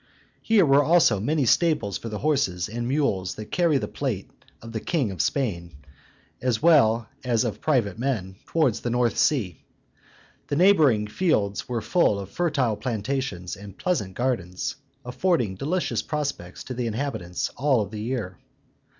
Here were also many stables for the horses and mules that carry the plate of the king of Spain, as well as private men, towards the North Sea. The neighboring fields were full of fertile plantations and pleasant gardens, affording delicious prospects to the inhabitants all the year.